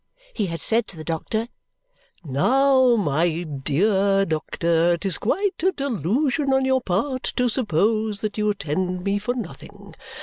He had said to the doctor, "Now, my dear doctor, it is quite a delusion on your part to suppose that you attend me for nothing.